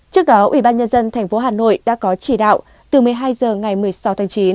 trước đó ủy ban nhân dân thành phố hà nội đã có chỉ đạo từ một mươi hai h ngày một mươi sáu tháng chín